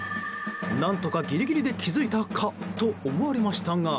何とかギリギリで気づいたかと思われましたが